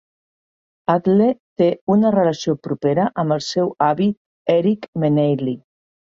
Atle té una relació propera amb el seu avi Erik Meneilly.